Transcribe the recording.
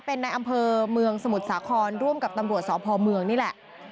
เป็นในอำเภอเมืองสมุทรสาครร่วมกับตำรวจสพเมืองนี่แหละ